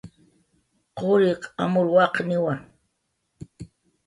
quriq amur waqniwa